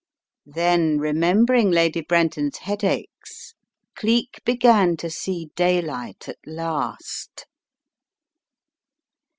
Then remembering Lady Brenton's headaches Cleek began to see daylight at last.